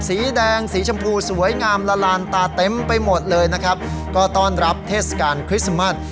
สีแดงสีชมพูสวยงามละลานตาเต็มไปหมดเลยนะครับก็ต้อนรับเทศกาลคริสต์มัส